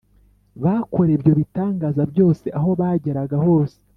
bakoreye ibyo bitangaza byose aho bageraga hose